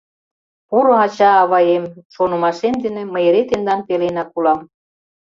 Поро ача-аваем, шонымашем дене мый эре тендан пеленак улам.